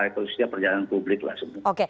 itu setiap perjalanan publik lah